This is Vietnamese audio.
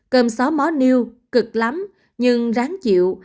cơm xó mó niêu cực lắm nhưng ráng chịu